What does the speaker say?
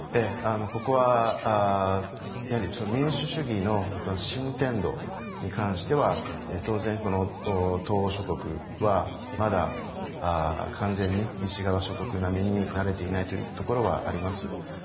ここはやはり民主主義の進展度に関しては当然、東欧諸国はまだ完全に西側諸国並みになれていないところはあります。